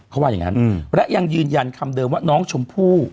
เขาว่าอย่างนั้นและยังยืนยันคำเดิมว่าน้องชมพู่